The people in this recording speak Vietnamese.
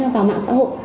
vào mạng xã hội